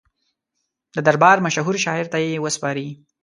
د دربار مشهور شاعر ته یې وسپاري.